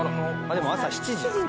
でも朝７時ですね。